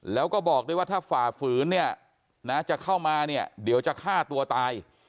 แล้วก็บอกด้วยว่าถ้าฝ่าฝืนเนี่ยนะจะเข้ามาเนี่ยเดี๋ยวจะฆ่าตัวตาย